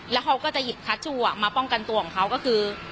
แล้วเขาก็จะหยิบคัชชูมาป้องกันตัวของเขาก็คือ